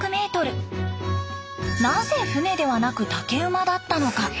なぜ船ではなく竹馬だったのか。